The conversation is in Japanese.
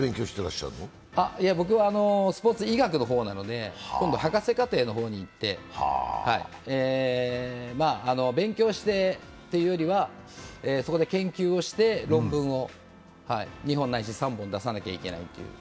僕はスポ−ツ医学の方なので今度、博士課程の方へ行って、勉強してというよりはそこで研究をして論文を２本ないし３本出さなきゃいけないという。